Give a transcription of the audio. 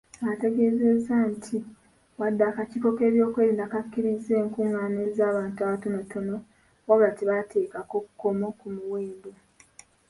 Ategeezezza nti wadde akakiiko k'ebyokulonda kakkiriza enkungaana ez'abantu abatonotono, wabula tekaateekako kkomo ku muwendo.